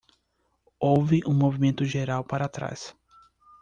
Houve um movimento geral para trás.